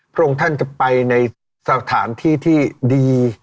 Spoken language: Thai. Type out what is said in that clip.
พระองค์ท่านจะไปในสถานที่ที่ดี